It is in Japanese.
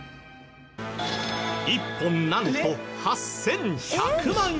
１本なんと８１００万円。